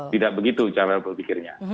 tidak begitu cara berpikirnya